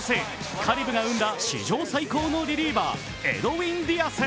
カリブが生んだ史上最高のリリーバーエドウィン・ディアス。